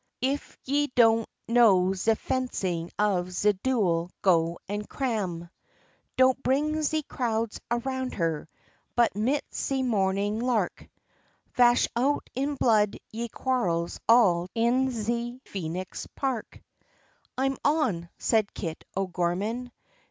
If ye don't know ze fencin' of ze duel, go, and cram, Don't bring ze crowds around her, but mit ze mornin' lark, Vash out in blood, ze quarrels all in ze Phoenix Park." "I'm on," said Kit O'Gorman.